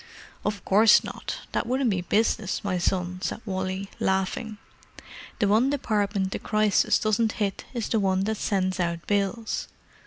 "Of course not—that wouldn't be business, my son," said Wally, laughing. "The one department the Crisis doesn't hit is the one that sends out bills."